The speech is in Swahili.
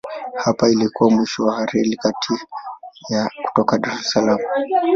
Hapa ilikuwa pia mwisho wa Reli ya Kati kutoka Dar es Salaam.